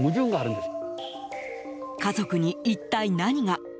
家族に一体何が。